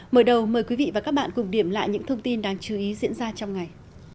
mở đầu mời quý vị và các bạn cùng điểm lại những thông tin đáng chú ý diễn ra trong ngày